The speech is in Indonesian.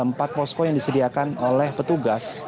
empat posko yang disediakan oleh petugas